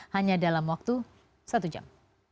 hanya dalam waktu satu jam